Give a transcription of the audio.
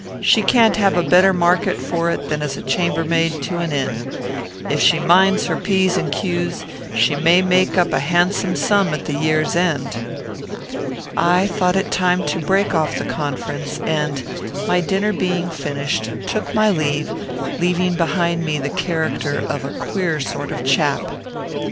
She can't have a better market for it than as chambermaid to an inn. If she minds her p's and q's she may make up a handsome sum at the year's end." I thought it time to break off the conference; and, my dinner being finished, took my leave, leaving behind me the character of a queer sort of chap.